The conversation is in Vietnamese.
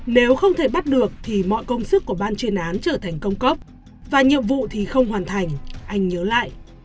nếu không thể bắt được thì mọi công sức của ban chuyên án trở thành công cốc và nhiệm vụ thì không hoàn thành anh nhớ lại